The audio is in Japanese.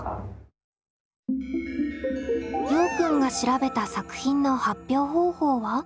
ようくんが調べた作品の発表方法は？